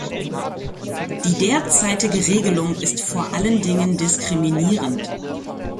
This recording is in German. Die derzeitige Regelung ist vor allen Dingen diskriminierend.